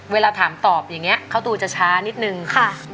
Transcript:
เวลาถามตอบอย่างนี้เขาดูจะช้านิดนึงค่ะ